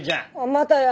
またや。